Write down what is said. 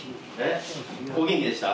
お元気でした？